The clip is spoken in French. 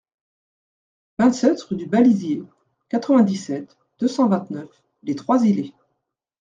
vingt-sept rue du Balisier, quatre-vingt-dix-sept, deux cent vingt-neuf, Les Trois-Îlets